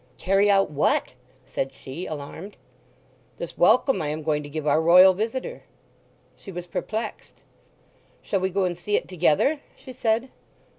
"Carry out what?" said she, alarmed. "This welcome I am going to give our Royal visitor." She was perplexed. "Shall we go and see it together?" she said.